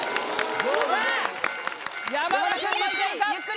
さあ山田くんもいけるか？